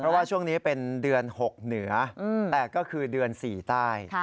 เพราะว่าช่วงนี้เป็นเดือน๖เหนือแต่ก็คือเดือน๔ใต้